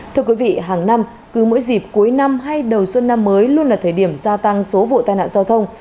thưa quý vị hàng năm cứ mỗi dịp cuối năm hay đầu xuân năm mới luôn là thời điểm gia tăng số vụ tai nạn giao thông